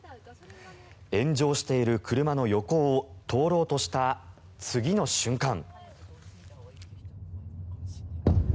炎上している車の横を通ろうとした次の瞬間。